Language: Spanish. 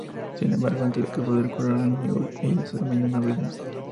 Sin embargo antes de poder curar a O'Neill, ella se desmaya una vez más.